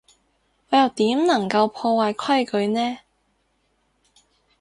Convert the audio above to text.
我又點能夠破壞規矩呢？